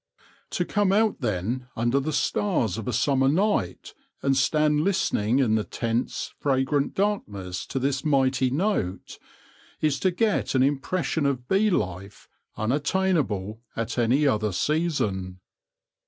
To come out then under the stars of a summer night, and stand listening in the tense, fragrant darkness to this mighty note, is to get an impression of bee life unattainable at any other season.